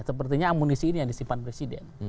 sepertinya amunisi ini yang disimpan presiden